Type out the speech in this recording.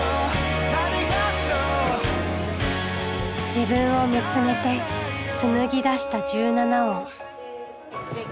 自分を見つめて紡ぎ出した１７音。